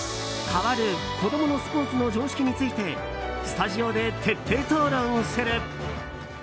変わる子供のスポーツの常識についてスタジオで徹底討論する。